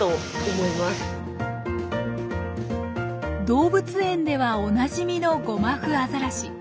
動物園ではおなじみのゴマフアザラシ。